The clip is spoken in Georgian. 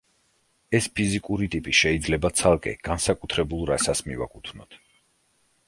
ეს ფიზიკური ტიპი შეიძლება ცალკე, განსაკუთრებულ რასას მივაკუთვნოთ.